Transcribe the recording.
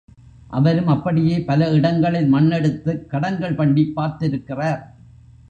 அவரும் அப்படியே பல இடங்களில் மண் எடுத்துக் கடங்கள் பண்ணிப் பார்த்திருக்கிறார்.